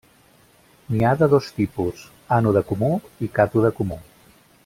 N'hi ha de dos tipus: ànode comú i càtode comú.